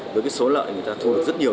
đối với số lợi người ta thu được rất nhiều